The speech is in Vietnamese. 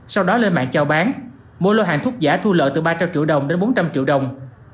sau đó lên mạng trao bán mua lô hàng thuốc giả thu lợi từ ba trăm linh triệu đồng đến bốn trăm linh triệu đồng